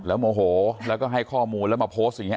โมโหแล้วก็ให้ข้อมูลแล้วมาโพสต์อย่างนี้